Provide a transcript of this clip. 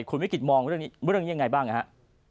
คุณวิกฤตมองเรื่องนี้ยังไงบ้างนะครับ